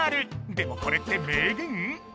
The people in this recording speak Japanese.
でもこれって名言？